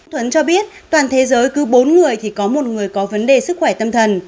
thuấn cho biết toàn thế giới cứ bốn người thì có một người có vấn đề sức khỏe tâm thần